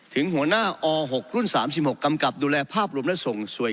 ถึงหัวหน้าอ๖รุ่น๓๖กำกับดูแลภาพรวมและส่งสวย